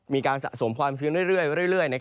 มีการสะสมความชื้นเรื่อย